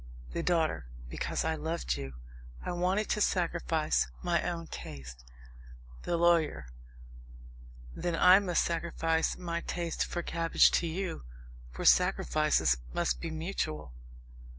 THE DAUGHTER. Because I loved you. I wanted to sacrifice my own taste. THE LAWYER. Then I must sacrifice my taste for cabbage to you for sacrifices must be mutual.